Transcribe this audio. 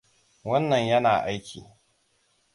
Wannan yana aiki.